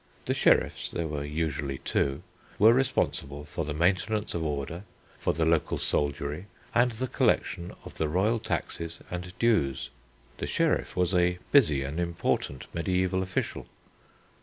The sheriffs there were usually two were responsible for the maintenance of order, for the local soldiery, and the collection of the royal taxes and dues. The sheriff was a busy and important mediæval official.